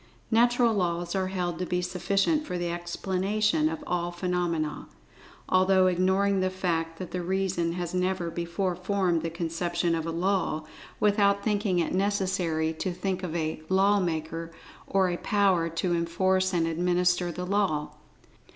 "Natural Laws" are held to be sufficient for the explanation of all phenomena, although ignoring the fact that the reason has never before formed the conception of a "law," without thinking it necessary to think of a "law maker," or a power to enforce and administer the law.